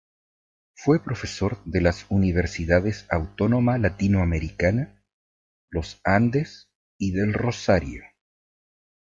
Fue profesor de las universidades Autónoma Latinoamericana, Los Andes y del Rosario.